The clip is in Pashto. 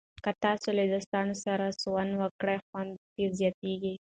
که تاسو له دوستانو سره سونا وکړئ، خوند زیاتېږي.